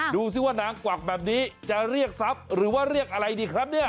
ดูสิว่านางกวักแบบนี้จะเรียกทรัพย์หรือว่าเรียกอะไรดีครับเนี่ย